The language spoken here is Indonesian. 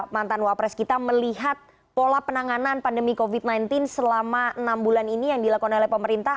mantan wapres kita melihat pola penanganan pandemi covid sembilan belas selama enam bulan ini yang dilakukan oleh pemerintah